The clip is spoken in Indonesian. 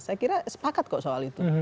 saya kira sepakat kok soal itu